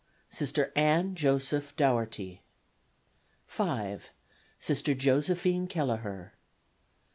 Sister Ann Joseph Dougherty. 5. Sister Josephine Keleher.